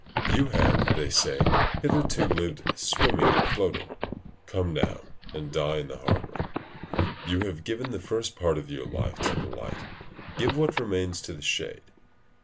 "You have," say they, "hitherto lived swimming and floating; come now and die in the harbour: you have given the first part of your life to the light, give what remains to the shade.